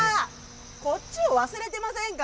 こっちを忘れてませんか。